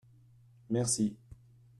merci.